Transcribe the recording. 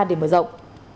để mở rộng